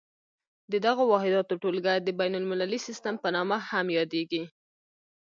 د دغو واحداتو ټولګه د بین المللي سیسټم په نامه هم یادیږي.